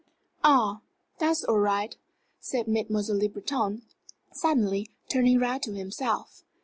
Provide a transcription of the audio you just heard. "Ah, that's all right!" said Mademoiselle Le Breton, suddenly, turning round to himself.